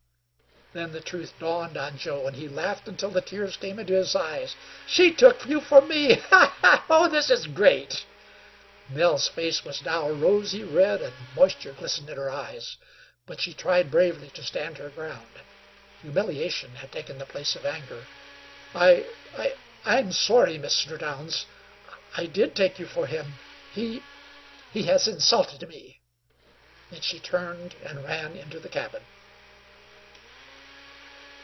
Then the truth dawned on Joe, and he laughed until the tears came into his eyes. "She took you for me! Ha, ha, ha! Oh, this is great!" Nell's face was now rosy red and moisture glistened in her eyes; but she tried bravely to stand her ground. Humiliation had taken the place of anger. "I I am sorry, Mr. Downs. I did take you for him. He he has insulted me." Then she turned and ran into the cabin.